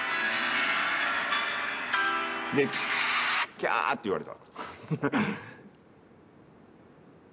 キャーッて言われた。